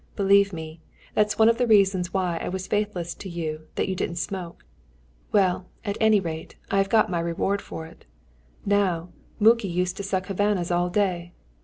Believe me, that one of the reasons why I was faithless to you was that you didn't smoke. Well, at any rate, I have got my reward for it. "Now, Muki used to suck Havannahs all day.